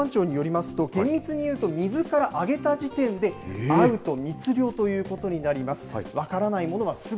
海上保安庁によりますと、厳密にいうと、みずからあげた時点でアウト、密漁ということになります。